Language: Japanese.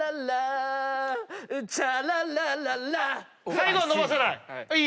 最後は伸ばさない。